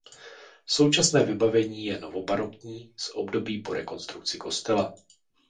Současné vybavení je novobarokní z období po rekonstrukci kostela.